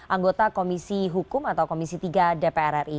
anggota komisi hukum atau komisi tiga dpr ri